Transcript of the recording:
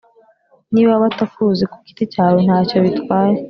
niba batakuzi kugiti cyawe ntacyo bitwaye